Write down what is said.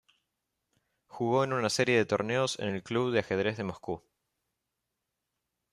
Jugó en una serie de torneos en el Club de Ajedrez de Moscú.